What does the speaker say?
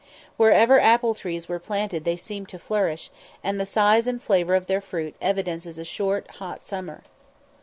Wherever apple trees were planted they seemed to flourish, and the size and flavour of their fruit evidences a short, hot summer.